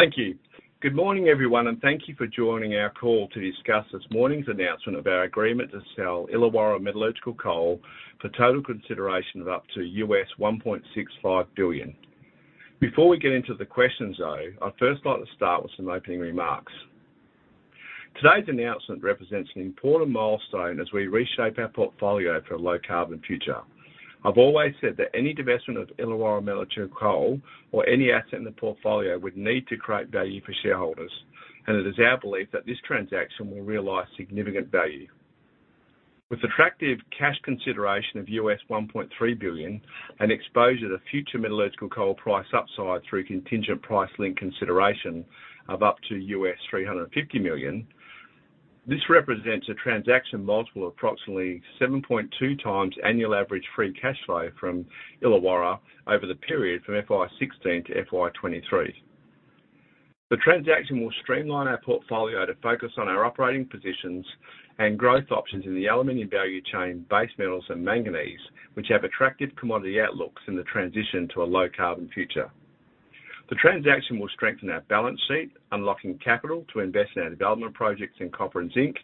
.Thank you. Good morning, everyone, and thank you for joining our call to discuss this morning's announcement of our agreement to sell Illawarra Metallurgical Coal for total consideration of up to $1.65 billion. Before we get into the questions, though, I'd first like to start with some opening remarks. Today's announcement represents an important milestone as we reshape our portfolio for a low-carbon future. I've always said that any divestment of Illawarra Metallurgical Coal or any asset in the portfolio would need to create value for shareholders, and it is our belief that this transaction will realize significant value. With attractive cash consideration of $1.3 billion and exposure to future metallurgical coal price upside through contingent price-linked consideration of up to $350 million, this represents a transaction multiple of approximately 7.2x annual average free cash flow from Illawarra over the period from FY 2016 to FY 2023. The transaction will streamline our portfolio to focus on our operating positions and growth options in the aluminum value chain, base metals, and manganese, which have attractive commodity outlooks in the transition to a low-carbon future. The transaction will strengthen our balance sheet, unlocking capital to invest in our development projects in copper and zinc,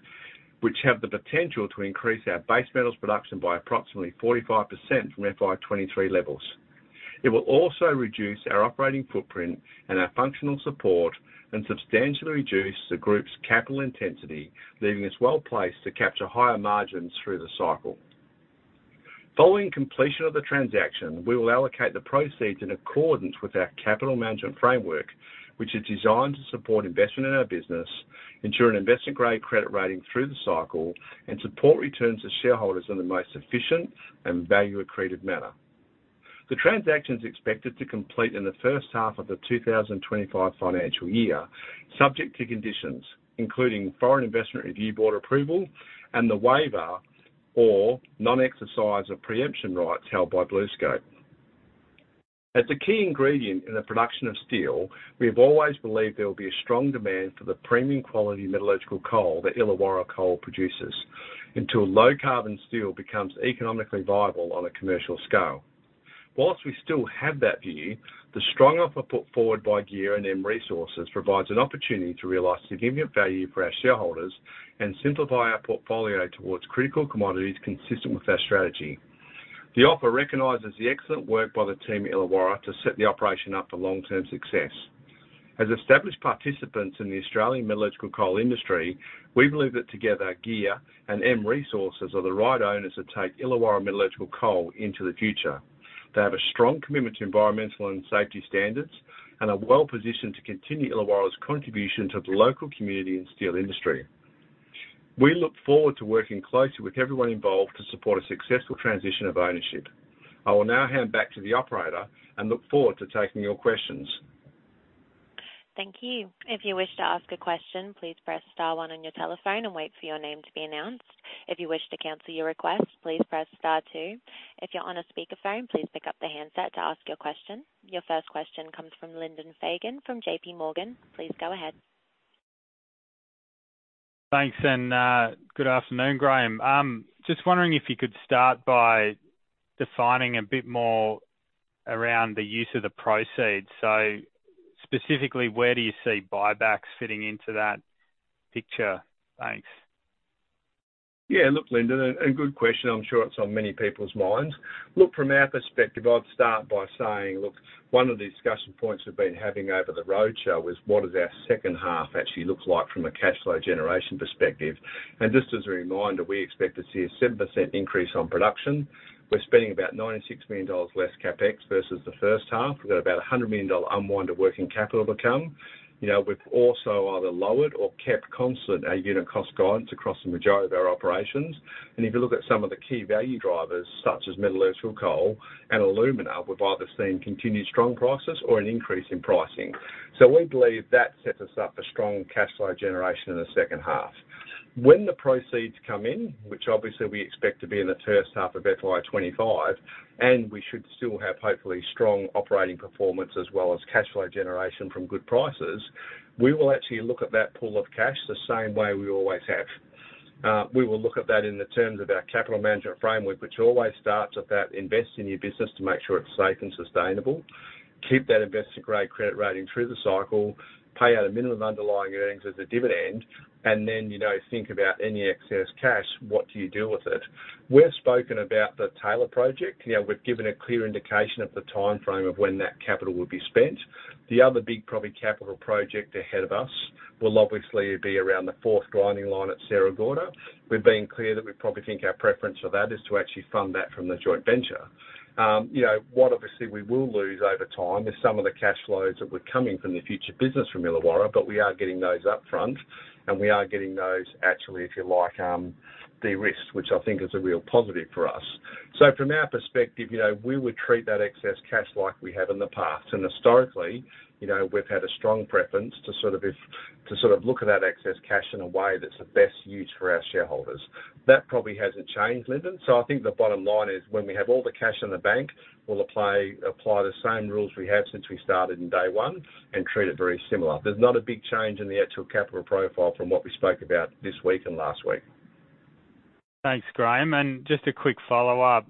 which have the potential to increase our base metals production by approximately 45% from FY 2023 levels. It will also reduce our operating footprint and our functional support, and substantially reduce the group's capital intensity, leaving us well-placed to capture higher margins through the cycle. Following completion of the transaction, we will allocate the proceeds in accordance with our capital management framework, which is designed to support investment in our business, ensure an investment-grade credit rating through the cycle, and support returns to shareholders in the most efficient and value-accretive manner. The transaction is expected to complete in the first half of the 2025 financial year, subject to conditions, including Foreign Investment Review Board approval and the waiver or non-exercise of preemption rights held by BlueScope. As a key ingredient in the production of steel, we have always believed there will be a strong demand for the premium quality metallurgical coal that Illawarra Coal produces, until low-carbon steel becomes economically viable on a commercial scale. While we still have that view, the strong offer put forward by GEAR and M Resources provides an opportunity to realize significant value for our shareholders and simplify our portfolio towards critical commodities consistent with our strategy. The offer recognizes the excellent work by the team at Illawarra to set the operation up for long-term success. As established participants in the Australian metallurgical coal industry, we believe that together, GEAR and M Resources are the right owners to take Illawarra Metallurgical Coal into the future. They have a strong commitment to environmental and safety standards and are well-positioned to continue Illawarra's contribution to the local community and steel industry. We look forward to working closely with everyone involved to support a successful transition of ownership. I will now hand back to the operator and look forward to taking your questions. Thank you. If you wish to ask a question, please press star one on your telephone and wait for your name to be announced. If you wish to cancel your request, please press star two. If you're on a speakerphone, please pick up the handset to ask your question. Your first question comes from Lyndon Fagan from JP Morgan. Please go ahead. Thanks, and, good afternoon, Graham. Just wondering if you could start by defining a bit more around the use of the proceeds. So specifically, where do you see buybacks fitting into that picture? Thanks. Yeah, look, Lyndon, a good question. I'm sure it's on many people's minds. Look, from our perspective, I'd start by saying, look, one of the discussion points we've been having over the roadshow is: what does our second half actually look like from a cash flow generation perspective? And just as a reminder, we expect to see a 7% increase on production. We're spending about $96 million less CapEx versus the first half. We've got about a $100 million unwind of working capital. You know, we've also either lowered or kept constant our unit cost guidance across the majority of our operations. And if you look at some of the key value drivers, such as metallurgical coal and alumina, we've either seen continued strong prices or an increase in pricing. So we believe that sets us up for strong cash flow generation in the second half. When the proceeds come in, which obviously we expect to be in the first half of FY 25, and we should still have, hopefully, strong operating performance as well as cash flow generation from good prices, we will actually look at that pool of cash the same way we always have. We will look at that in the terms of our Capital Management Framework, which always starts at that, invest in your business to make sure it's safe and sustainable, keep that investment-grade credit rating through the cycle, pay out a minimum underlying earnings as a dividend, and then, you know, think about any excess cash, what do you do with it? We've spoken about the Taylor Project. You know, we've given a clear indication of the timeframe of when that capital would be spent. The other big, probably, capital project ahead of us will obviously be around the fourth grinding line at Sierra Gorda. We've been clear that we probably think our preference for that is to actually fund that from the joint venture. You know, what obviously we will lose over time is some of the cash flows that were coming from the future business from Illawarra, but we are getting those upfront, and we are getting those actually, if you like, de-risked, which I think is a real positive for us. So from our perspective, you know, we would treat that excess cash like we have in the past. And historically, you know, we've had a strong preference to sort of look at that excess cash in a way that's the best use for our shareholders. That probably hasn't changed, Lyndon. I think the bottom line is, when we have all the cash in the bank, we'll apply the same rules we have since we started in day one and treat it very similar. There's not a big change in the actual capital profile from what we spoke about this week and last week.... Thanks, Graham. Just a quick follow-up.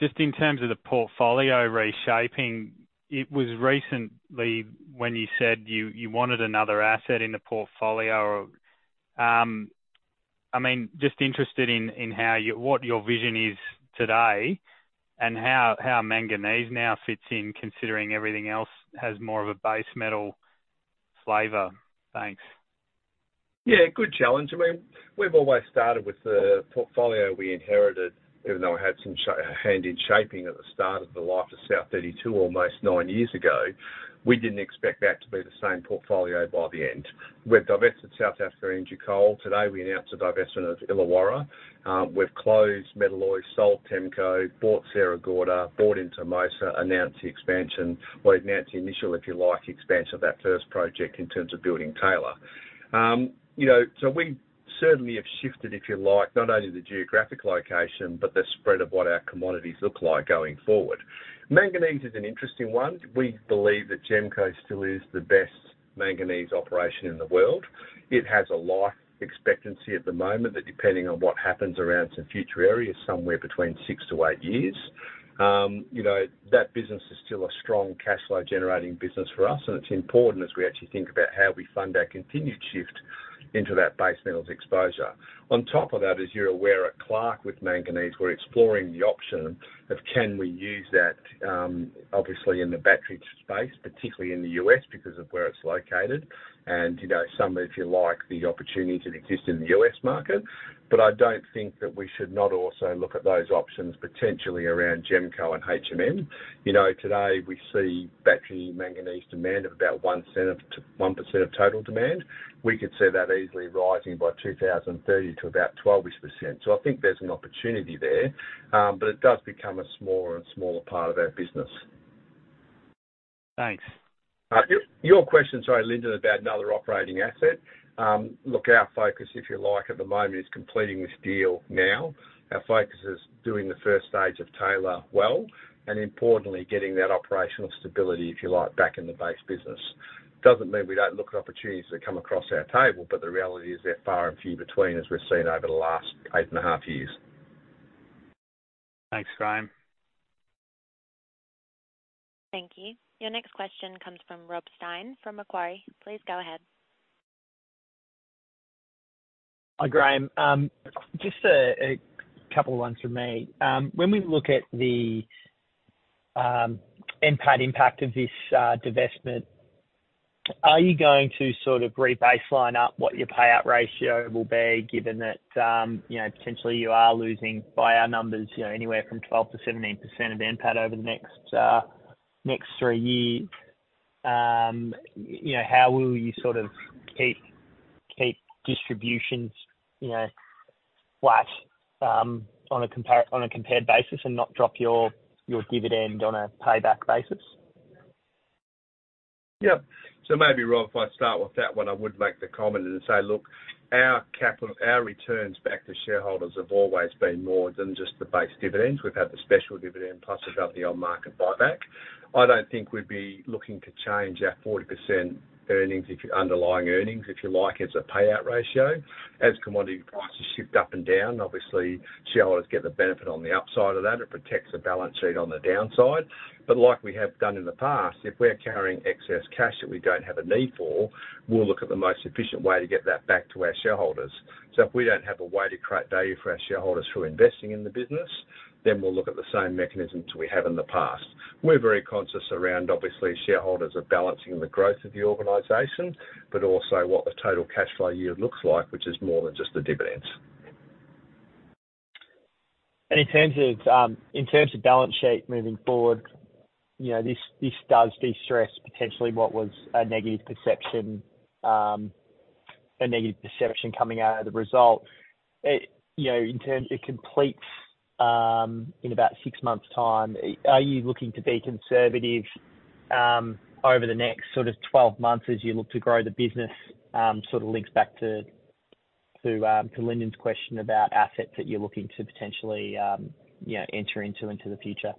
Just in terms of the portfolio reshaping, it was recently when you said you wanted another asset in the portfolio. I mean, just interested in how you—what your vision is today, and how manganese now fits in, considering everything else has more of a base metal flavor. Thanks. Yeah, good challenge. I mean, we've always started with the portfolio we inherited, even though I had a hand in shaping at the start of the life of South32, almost nine years ago. We didn't expect that to be the same portfolio by the end. We've divested South African coal. Today, we announced a divestment of Illawarra. We've closed Metalloys, sold TEMCO, bought Sierra Gorda, bought into Mozal, announced the expansion, or announced the initial, if you like, expansion of that first project in terms of building Taylor. You know, so we certainly have shifted, if you like, not only the geographic location, but the spread of what our commodities look like going forward. Manganese is an interesting one. We believe that GEMCO still is the best manganese operation in the world. It has a life expectancy at the moment that, depending on what happens around some future areas, somewhere between 6-8 years. You know, that business is still a strong cash flow generating business for us, and it's important as we actually think about how we fund our continued shift into that base metals exposure. On top of that, as you're aware, at Clark, with manganese, we're exploring the option of can we use that, obviously in the battery space, particularly in the U.S., because of where it's located. And, you know, some, if you like, the opportunities that exist in the U.S. market. But I don't think that we should not also look at those options potentially around GEMCO and HMM. You know, today, we see battery manganese demand of about 1% of total demand. We could see that easily rising by 2030 to about 12%. So I think there's an opportunity there, but it does become a smaller and smaller part of our business. Thanks. Your, your question, sorry, Lyndon, about another operating asset. Look, our focus, if you like, at the moment, is completing this deal now. Our focus is doing the first stage of Taylor well, and importantly, getting that operational stability, if you like, back in the base business. Doesn't mean we don't look at opportunities that come across our table, but the reality is they're far and few between, as we've seen over the last eight point five years. Thanks, Graham. Thank you. Your next question comes from Rob Stein, from Macquarie. Please go ahead. Hi, Graham. Just a couple of ones from me. When we look at the NPAT impact of this divestment, are you going to sort of re-baseline up what your payout ratio will be, given that, you know, potentially you are losing by our numbers, you know, anywhere from 12%-17% of NPAT over the next three years? You know, how will you sort of keep distributions, you know, flat, on a compared basis and not drop your dividend on a payback basis? Yep. So maybe, Rob, if I start with that one, I would make the comment and say, look, our capital, our returns back to shareholders have always been more than just the base dividends. We've had the special dividend, plus above the on-market buyback. I don't think we'd be looking to change our 40% of underlying earnings, if you like, as a payout ratio. As commodity prices shift up and down, obviously, shareholders get the benefit on the upside of that. It protects the balance sheet on the downside. But like we have done in the past, if we're carrying excess cash that we don't have a need for, we'll look at the most efficient way to get that back to our shareholders. So if we don't have a way to create value for our shareholders through investing in the business, then we'll look at the same mechanisms we have in the past. We're very conscious around, obviously, shareholders are balancing the growth of the organization, but also what the total cash flow year looks like, which is more than just the dividends. In terms of balance sheet moving forward, you know, this, this does de-stress potentially what was a negative perception, a negative perception coming out of the result. It... You know, in terms, it completes in about 6 months' time. Are you looking to be conservative over the next sort of 12 months as you look to grow the business? Sort of links back to to Lyndon's question about assets that you're looking to potentially, you know, enter into into the future.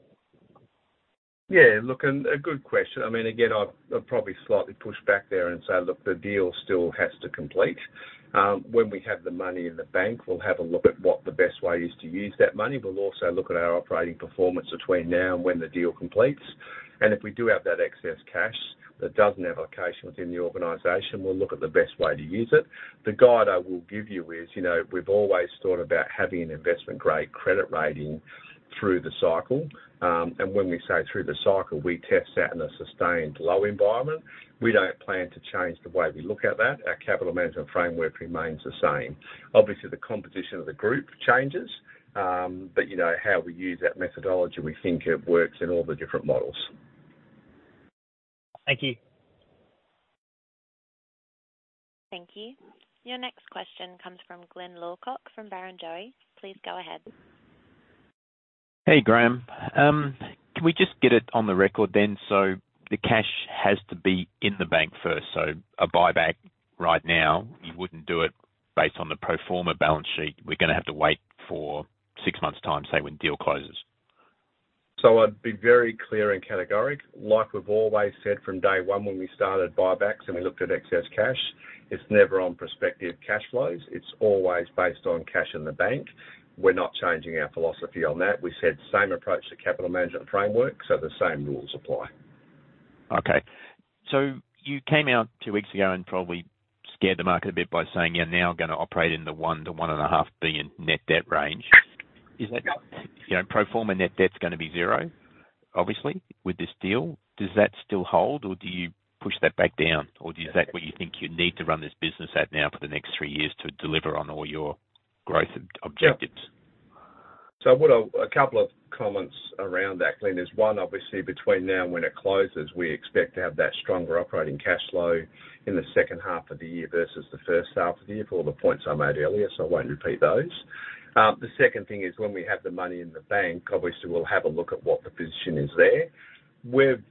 Yeah, look, and a good question. I mean, again, I'd probably slightly push back there and say, look, the deal still has to complete. When we have the money in the bank, we'll have a look at what the best way is to use that money. We'll also look at our operating performance between now and when the deal completes. And if we do have that excess cash that doesn't have allocation within the organization, we'll look at the best way to use it. The guide I will give you is, you know, we've always thought about having an investment-grade credit rating through the cycle. And when we say through the cycle, we test that in a sustained low environment. We don't plan to change the way we look at that. Our Capital Management Framework remains the same. Obviously, the competition of the group changes, but you know how we use that methodology, we think it works in all the different models. Thank you. Thank you. Your next question comes from Glyn Lawcock, from Barrenjoey. Please go ahead. Hey, Graham. Can we just get it on the record then? The cash has to be in the bank first, so a buyback right now, you wouldn't do it based on the pro forma balance sheet. We're gonna have to wait for six months' time, say, when deal closes.... So I'd be very clear and categorical, like we've always said from day one when we started buybacks and we looked at excess cash, it's never on prospective cash flows. It's always based on cash in the bank. We're not changing our philosophy on that. We said same approach to Capital Management Framework, so the same rules apply. Okay. So you came out two weeks ago and probably scared the market a bit by saying you're now gonna operate in the $1 billion-$1.5 billion net debt range. Is that, you know, pro forma net debt is gonna be zero, obviously, with this deal? Does that still hold, or do you push that back down, or is that what you think you need to run this business at now for the next three years to deliver on all your growth objectives? Sure. So I would a couple of comments around that, Glyn, is one, obviously between now and when it closes, we expect to have that stronger operating cash flow in the second half of the year versus the first half of the year, for all the points I made earlier, so I won't repeat those. The second thing is, when we have the money in the bank, obviously, we'll have a look at what the position is there. With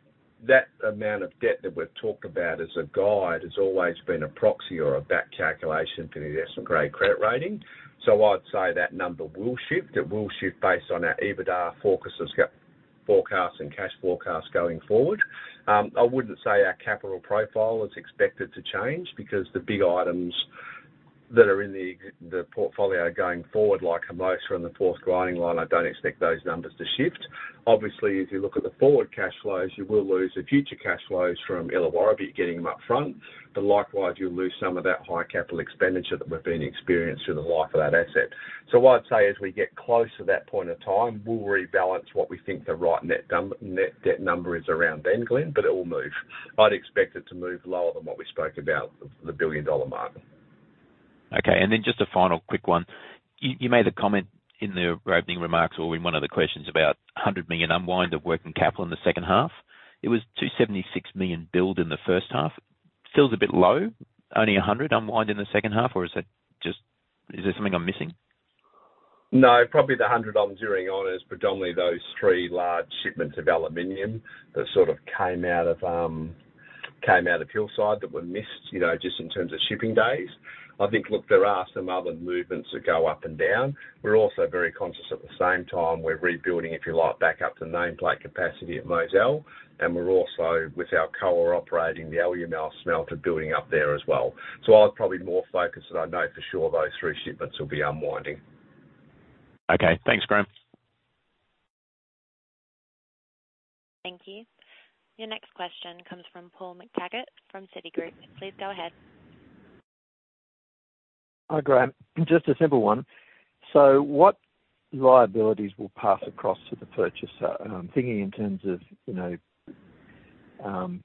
that amount of debt that we've talked about as a guide, has always been a proxy or a back calculation for the S&P-grade credit rating. So I'd say that number will shift. It will shift based on our EBITDA focus, guidance forecast and cash forecast going forward. I wouldn't say our capital profile is expected to change because the big items that are in the portfolio going forward, like Hermosa and the fourth grinding line, I don't expect those numbers to shift. Obviously, if you look at the forward cash flows, you will lose the future cash flows from Illawarra, but you're getting them up front. But likewise, you'll lose some of that high capital expenditure that we've been experiencing through the life of that asset. So what I'd say is, we get close to that point of time, we'll rebalance what we think the right net debt number is around then, Glenn, but it will move. I'd expect it to move lower than what we spoke about, the billion-dollar mark. Okay, and then just a final quick one. You made a comment in the opening remarks or in one of the questions about $100 million unwind of working capital in the second half. It was $276 million build in the first half. Feels a bit low, only a $100 million unwind in the second half, or is that just... Is there something I'm missing? No, probably the $100 I'm zeroing on is predominantly those three large shipments of aluminum that sort of came out of, came out of Hillside that were missed, you know, just in terms of shipping days. I think, look, there are some other movements that go up and down. We're also very conscious at the same time, we're rebuilding, if you like, back up to nameplate capacity at Mozal, and we're also, with our co-owner operating the Alumar smelter, building up there as well. So I'll probably more focused, and I know for sure those three shipments will be unwinding. Okay, thanks, Graham. Thank you. Your next question comes from Paul McTaggart from Citigroup. Please go ahead. Hi, Graham. Just a simple one. So what liabilities will pass across to the purchaser? Thinking in terms of, you know,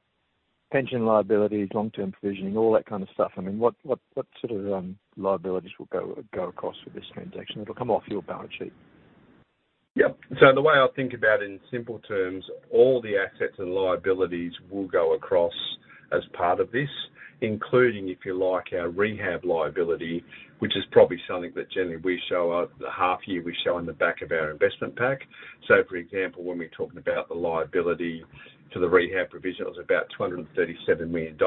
pension liabilities, long-term provisioning, all that kind of stuff. I mean, what sort of liabilities will go across with this transaction? It'll come off your balance sheet. Yep. So the way I think about it in simple terms, all the assets and liabilities will go across as part of this, including, if you like, our rehab liability, which is probably something that generally we show up, the half year we show on the back of our investment pack. So for example, when we're talking about the liability to the rehab provision, it was about $237 million at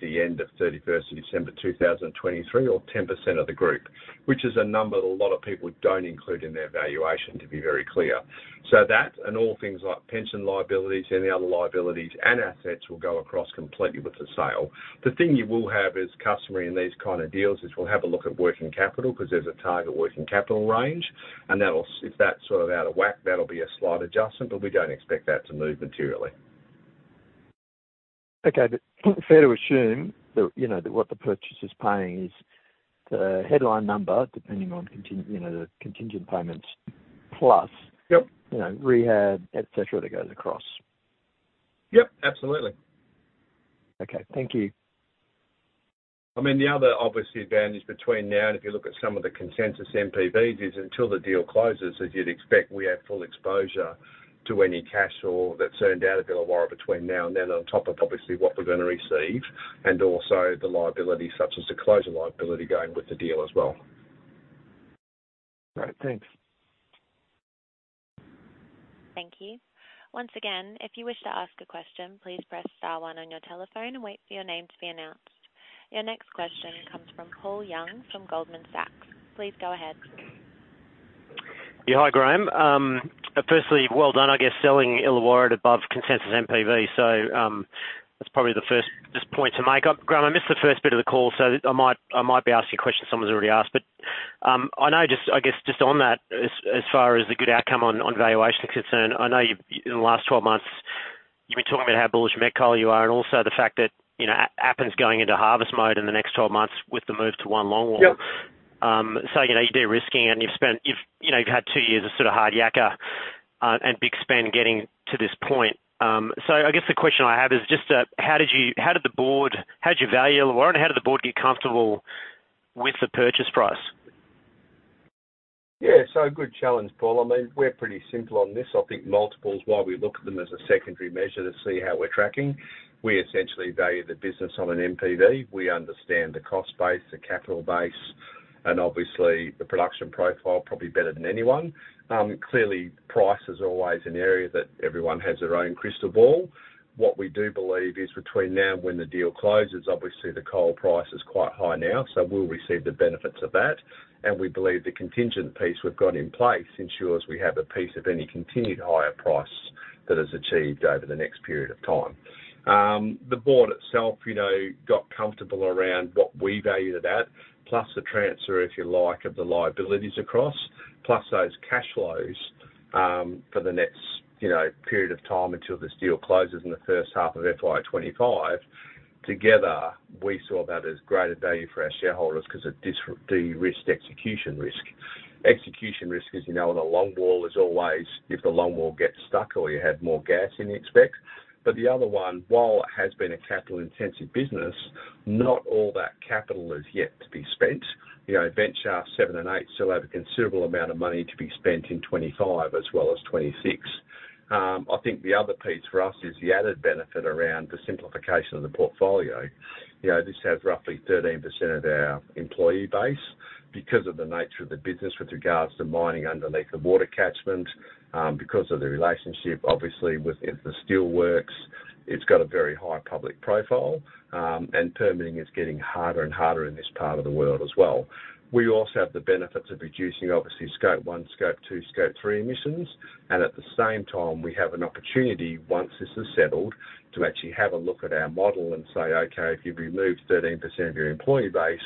the end of December 31, 2023, or 10% of the group. Which is a number that a lot of people don't include in their valuation, to be very clear. So that and all things like pension liabilities, any other liabilities and assets will go across completely with the sale. The thing you will have is customary in these kind of deals, is we'll have a look at working capital because there's a target working capital range, and that'll... If that's sort of out of whack, that'll be a slight adjustment, but we don't expect that to move materially. Okay, but fair to assume that, you know, that what the purchaser's paying is the headline number, depending on, you know, the contingent payments plus- Yep. you know, rehab, et cetera, that goes across. Yep, absolutely. Okay, thank you. I mean, the other obvious advantage between now and if you look at some of the consensus NPVs, is until the deal closes, as you'd expect, we have full exposure to any cash flow that's earned out at Illawarra between now and then, on top of obviously what we're gonna receive, and also the liability, such as the closing liability, going with the deal as well. Great, thanks. Thank you. Once again, if you wish to ask a question, please press star one on your telephone and wait for your name to be announced. Your next question comes from Paul Young from Goldman Sachs. Please go ahead. Yeah, hi, Graham. Firstly, well done, I guess, selling Illawarra above consensus NPV. So, that's probably the first, just point to make. Graham, I missed the first bit of the call, so I might, I might be asking a question someone's already asked, but, I know just, I guess, just on that, as far as the good outcome on valuation is concerned, I know you-- in the last 12 months, you've been talking about how bullish met coal you are and also the fact that, you know, Appin's going into harvest mode in the next 12 months with the move to one longwall. Yep. So, you know, you're de-risking and you've spent, you've, you know, you've had two years of sort of hard yakka and big spend getting to this point. So I guess the question I have is just, how did you, how did the board, how did you value Illawarra, and how did the board get comfortable with the purchase price? Yeah, so good challenge, Paul. I mean, we're pretty simple on this. I think multiples, while we look at them as a secondary measure to see how we're tracking, we essentially value the business on an NPV. We understand the cost base, the capital base, and obviously, the production profile probably better than anyone. Clearly, price is always an area that everyone has their own crystal ball. What we do believe is between now and when the deal closes, obviously, the coal price is quite high now, so we'll receive the benefits of that, and we believe the contingent piece we've got in place ensures we have a piece of any continued higher price... that is achieved over the next period of time. The board itself, you know, got comfortable around what we valued it at, plus the transfer, if you like, of the liabilities across, plus those cash flows, for the next, you know, period of time until this deal closes in the first half of FY 25. Together, we saw that as greater value for our shareholders because it de-risked execution risk. Execution risk, as you know, on the long wall is always if the long wall gets stuck or you have more gas than you expect. But the other one, while it has been a capital-intensive business, not all that capital is yet to be spent. You know, vent shaft 7 and 8 still have a considerable amount of money to be spent in 25 as well as 26. I think the other piece for us is the added benefit around the simplification of the portfolio. You know, this has roughly 13% of our employee base because of the nature of the business with regards to mining underneath the water catchment, because of the relationship, obviously, with the, the steelworks, it's got a very high public profile, and permitting is getting harder and harder in this part of the world as well. We also have the benefits of reducing, obviously, Scope 1, Scope 2, Scope 3 emissions, and at the same time, we have an opportunity, once this is settled, to actually have a look at our model and say, "Okay, if you remove 13% of your employee base,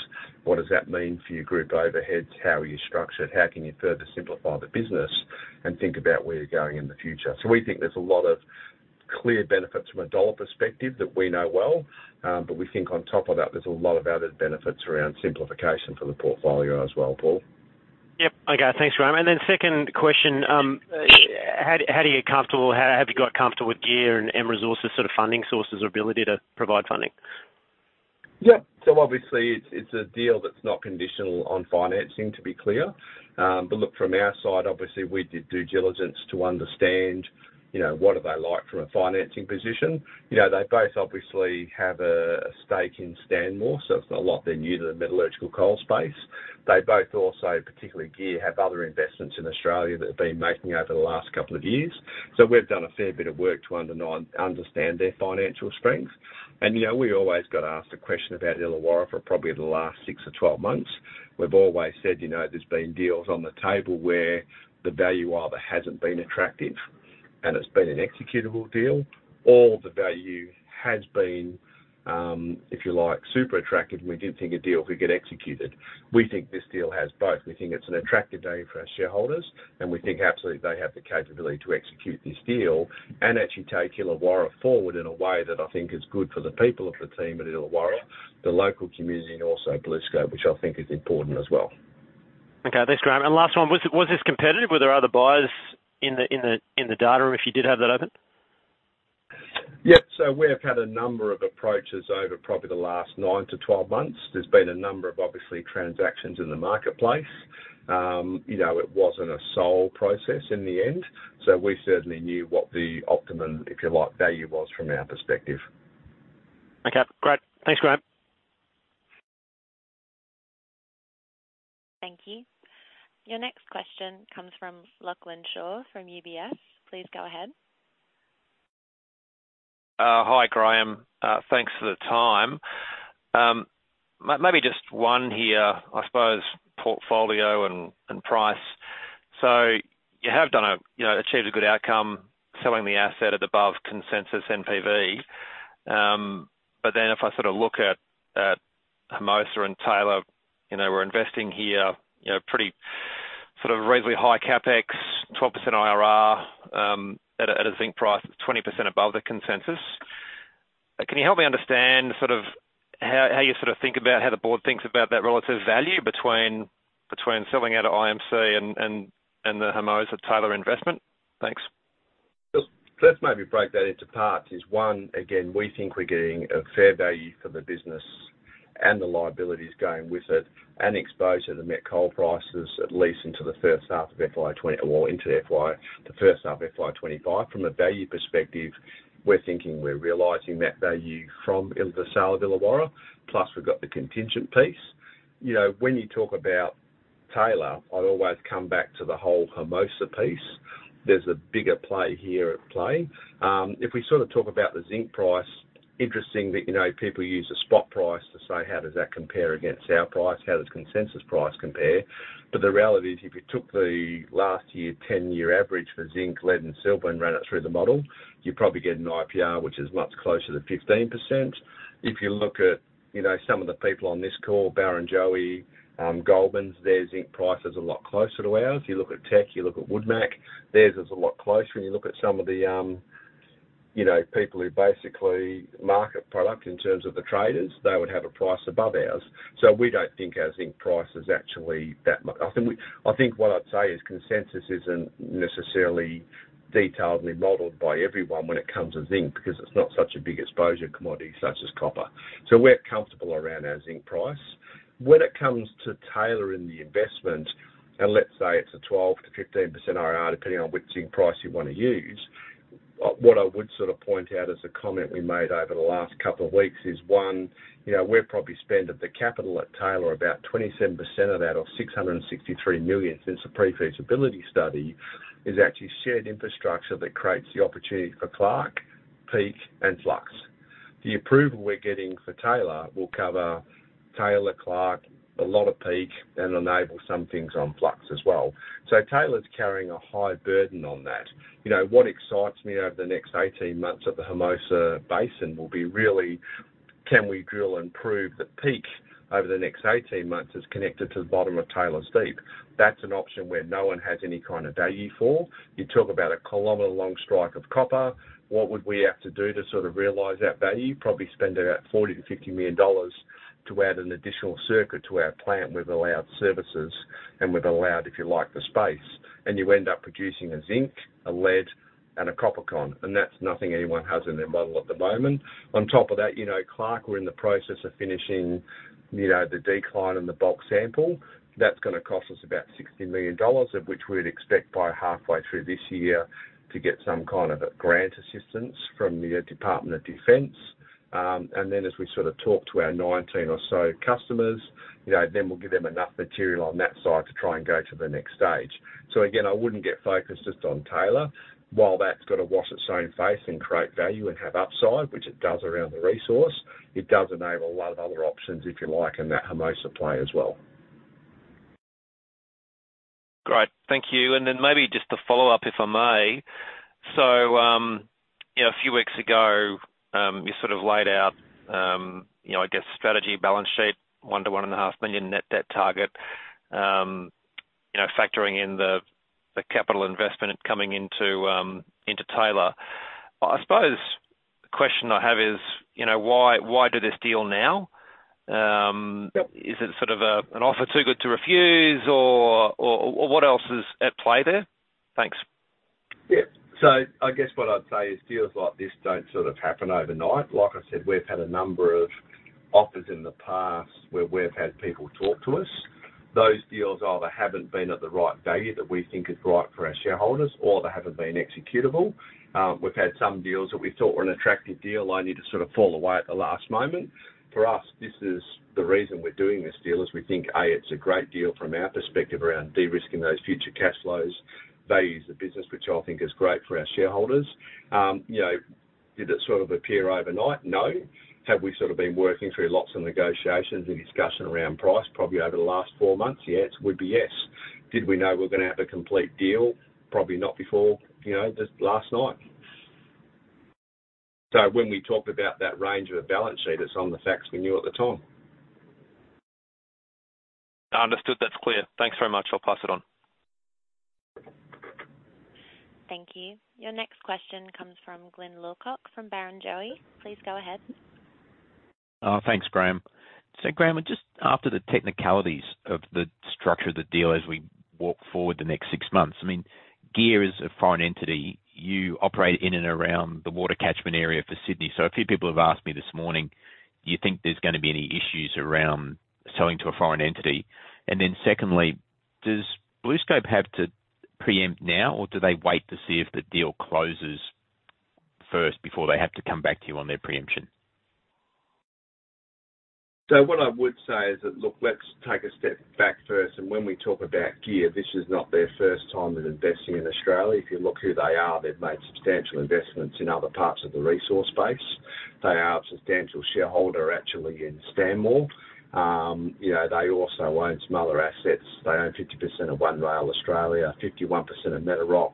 what does that mean for your group overhead? How are you structured? How can you further simplify the business and think about where you're going in the future? We think there's a lot of clear benefits from a dollar perspective that we know well, but we think on top of that, there's a lot of added benefits around simplification for the portfolio as well. Paul? Yep. Okay, thanks, Graham. Second question, how have you got comfortable with GEAR and M Resources, sort of funding sources or ability to provide funding? Yep. So obviously, it's, it's a deal that's not conditional on financing, to be clear. But look, from our side, obviously, we did due diligence to understand, you know, what are they like from a financing position. You know, they both obviously have a, a stake in Stanmore, so it's not like they're new to the metallurgical coal space. They both also, particularly GEAR, have other investments in Australia that they've been making over the last couple of years. So we've done a fair bit of work to understand their financial strengths. And, you know, we always got asked a question about Illawarra for probably the last 6-12 months. We've always said, you know, there's been deals on the table where the value either hasn't been attractive, and it's been an executable deal, or the value has been, if you like, super attractive, and we didn't think a deal could get executed. We think this deal has both. We think it's an attractive deal for our shareholders, and we think absolutely they have the capability to execute this deal and actually take Illawarra forward in a way that I think is good for the people of the team at Illawarra, the local community, and also BlueScope, which I think is important as well. Okay, thanks, Graham. And last one, was this competitive? Were there other buyers in the data room, if you did have that open? Yep. So we have had a number of approaches over probably the last 9-12 months. There's been a number of, obviously, transactions in the marketplace. You know, it wasn't a sole process in the end, so we certainly knew what the optimum, if you like, value was from our perspective. Okay, great. Thanks, Graham. Thank you. Your next question comes from Lachlan Shaw from UBS. Please go ahead. Hi, Graham. Thanks for the time. Maybe just one here, I suppose, portfolio and price. So you have done a, you know, achieved a good outcome selling the asset at above consensus NPV. But then if I sort of look at Hermosa and Taylor, you know, we're investing here, you know, pretty sort of reasonably high CapEx, 12% IRR, at a zinc price that's 20% above the consensus. Can you help me understand sort of how you sort of think about, how the board thinks about that relative value between selling out to IMC and the Hermosa Taylor investment? Thanks. Look, let's maybe break that into parts. Is one, again, we think we're getting a fair value for the business and the liabilities going with it and exposure to the met coal prices, at least into the first half of FY 25. From a value perspective, we're thinking we're realizing that value from the sale of Illawarra, plus we've got the contingent piece. You know, when you talk about Taylor, I always come back to the whole Hermosa piece. There's a bigger play here at play. If we sort of talk about the zinc price, interesting that, you know, people use the spot price to say: How does that compare against our price? How does consensus price compare? But the reality is, if you took the last year, ten-year average for zinc, lead, and silver, and ran it through the model, you'd probably get an IRR, which is much closer to 15%. If you look at, you know, some of the people on this call, Barrenjoey, Goldmans, their zinc price is a lot closer to ours. You look at Teck, you look at Woodmac, theirs is a lot closer. When you look at some of the, you know, people who basically market product in terms of the traders, they would have a price above ours. So we don't think our zinc price is actually that much- I think we, I think what I'd say is consensus isn't necessarily detailedly modeled by everyone when it comes to zinc, because it's not such a big exposure commodity, such as copper. So we're comfortable around our zinc price. When it comes to tailoring the investment, and let's say it's a 12%-15% IRR, depending on which zinc price you want to use, what I would sort of point out as a comment we made over the last couple of weeks is, one, you know, we're probably spending the capital at Taylor, about 27% of that or $663 million since the pre-feasibility study, is actually shared infrastructure that creates the opportunity for Clark, Peake, and Flux. The approval we're getting for Taylor will cover Taylor, Clark, a lot of Peake, and enable some things on Flux as well. So Taylor's carrying a high burden on that. You know, what excites me over the next 18 months of the Hermosa Basin will be really, can we drill and prove that Peake, over the next 18 months, is connected to the bottom of Taylor Deeps? That's an option where no one has any kind of value for. You talk about a kilometer-long strike of copper. What would we have to do to sort of realize that value? Probably spend about $40 million-$50 million to add an additional circuit to our plant. We've allowed services and we've allowed, if you like, the space. And you end up producing a zinc, a lead, and a copper con, and that's nothing anyone has in their model at the moment. On top of that, you know, Clark, we're in the process of finishing, you know, the decline in the bulk sample. That's gonna cost us about $60 million, of which we'd expect by halfway through this year to get some kind of a grant assistance from the Department of Defense. And then as we sort of talk to our 19 or so customers, you know, then we'll give them enough material on that side to try and go to the next stage. So again, I wouldn't get focused just on Taylor. While that's got to wash its own face and create value and have upside, which it does around the resource, it does enable a lot of other options, if you like, in that Hermosa play as well. Great. Thank you. Then maybe just to follow up, if I may. So, you know, a few weeks ago, you sort of laid out, you know, I guess, strategy, balance sheet, $1 million-$1.5 million net debt target, you know, factoring in the, the capital investment coming into, into Taylor. I suppose the question I have is, you know, why, why do this deal now? Yep. Is it sort of a, an offer too good to refuse, or, or, or what else is at play there? Thanks. Yeah. So I guess what I'd say is, deals like this don't sort of happen overnight. Like I said, we've had a number of offers in the past where we've had people talk to us. Those deals either haven't been at the right value that we think is right for our shareholders, or they haven't been executable. We've had some deals that we thought were an attractive deal, only to sort of fall away at the last moment. For us, this is the reason we're doing this deal, is we think, A, it's a great deal from our perspective around de-risking those future cash flows, values the business, which I think is great for our shareholders. You know, did it sort of appear overnight? No. Have we sort of been working through lots of negotiations and discussion around price, probably over the last four months? Yes, would be yes. Did we know we're gonna have a complete deal? Probably not before, you know, just last night. So when we talked about that range of a balance sheet, it's on the facts we knew at the time. Understood. That's clear. Thanks very much. I'll pass it on. Thank you. Your next question comes from Glyn Lawcock, from Barrenjoey. Please go ahead. Thanks, Graham. So, Graham, just after the technicalities of the structure of the deal as we walk forward the next six months, I mean, GEAR is a foreign entity. You operate in and around the water catchment area for Sydney. So a few people have asked me this morning: Do you think there's gonna be any issues around selling to a foreign entity? And then secondly, does BlueScope have to preempt now, or do they wait to see if the deal closes first before they have to come back to you on their preemption? So what I would say is that, look, let's take a step back first. When we talk about GEAR, this is not their first time in investing in Australia. If you look who they are, they've made substantial investments in other parts of the resource base. They are a substantial shareholder, actually, in Stanmore. You know, they also own some other assets. They own 50% of One Rail Australia, 51% of Metalloys,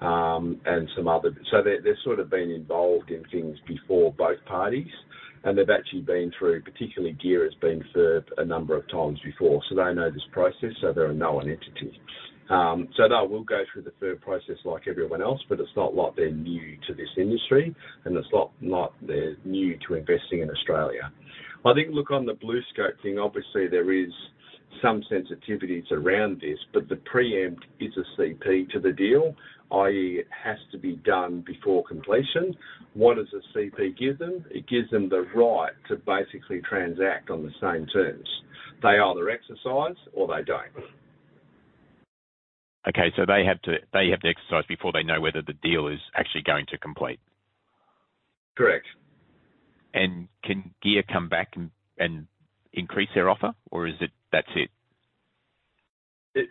and some other. So they've sort of been involved in things before, both parties, and they've actually been through, particularly GEAR, has been to FIRB a number of times before. So they know this process, so they are a known entity. So that will go through the FIRB process like everyone else, but it's not like they're new to this industry, and it's not they're new to investing in Australia. I think, look, on the BlueScope thing, obviously there is some sensitivities around this, but the preempt is a CP to the deal, i.e., it has to be done before completion. What does a CP give them? It gives them the right to basically transact on the same terms. They either exercise or they don't. Okay, so they have to, they have to exercise before they know whether the deal is actually going to complete? Correct. Can GEAR come back and increase their offer, or is it, that's it?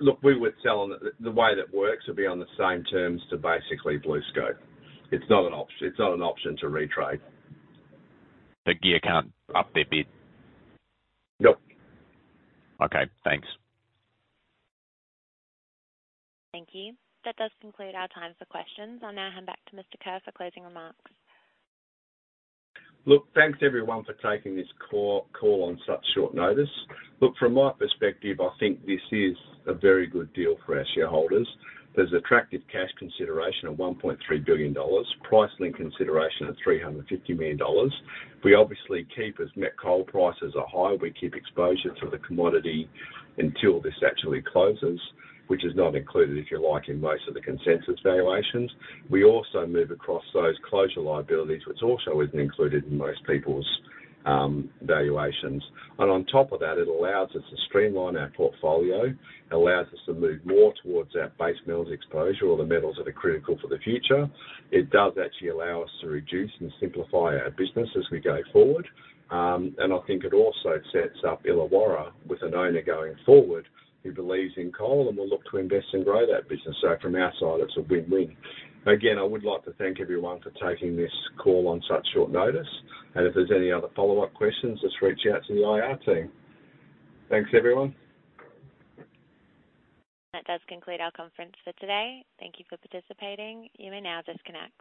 Look, we would sell on the... The way that works would be on the same terms to basically BlueScope. It's not an option to retrade. But GEAR can't up their bid? Nope. Okay, thanks. Thank you. That does conclude our time for questions. I'll now hand back to Mr. Kerr for closing remarks. Look, thanks, everyone, for taking this call on such short notice. Look, from my perspective, I think this is a very good deal for our shareholders. There's attractive cash consideration of $1.3 billion, price-link ed consideration of $350 million. We obviously keep, as met coal prices are high, we keep exposure to the commodity until this actually closes, which is not included, if you like, in most of the consensus valuations. We also move across those closure liabilities, which also isn't included in most people's valuations. And on top of that, it allows us to streamline our portfolio. It allows us to move more towards our base metals exposure or the metals that are critical for the future. It does actually allow us to reduce and simplify our business as we go forward. I think it also sets up Illawarra with an owner going forward, who believes in coal and will look to invest and grow that business. So from our side, it's a win-win. Again, I would like to thank everyone for taking this call on such short notice, and if there's any other follow-up questions, just reach out to the IR team. Thanks, everyone. That does conclude our conference for today. Thank you for participating. You may now disconnect.